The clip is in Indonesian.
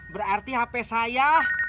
berarti hp saya